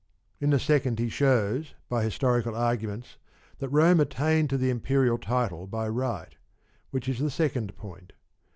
In the second he shows, by historical arguments, that Rome attained to the imperial title by right ; which is the second point.